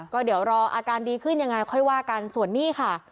ก็เดี๋ยวรออาการดีขึ้นยังไงค่อยว่ากันส่วนนี้ค่ะ